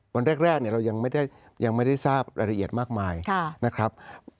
วันแรกเรายังไม่ได้ทราบรายละเอียดมากมายนะครับ